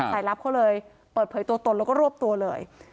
ลับเขาเลยเปิดเผยตัวตนแล้วก็รวบตัวเลย